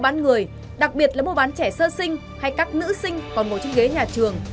mua bán người đặc biệt là mua bán trẻ sơ sinh hay các nữ sinh còn ngồi trên ghế nhà trường